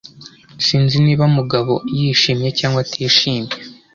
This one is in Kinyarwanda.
Sinzi niba Mugabo yishimye cyangwa atishimye